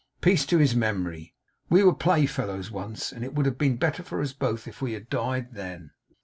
Peace to his memory! We were play fellows once; and it would have been better for us both if we had died then.